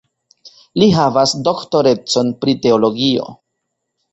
Li havas doktorecon pri teologio.